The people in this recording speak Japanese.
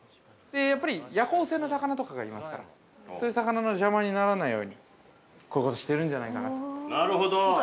やっぱり夜行性の魚とかがいますから、そういう魚の邪魔にならないようにこういうことをしているんじゃないかと。